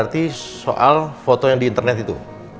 berarti soal foto yang di internet itu